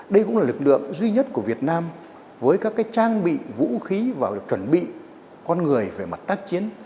đây cũng là lực lượng duy nhất của việt nam với các trang bị vũ khí và được chuẩn bị con người về mặt tác chiến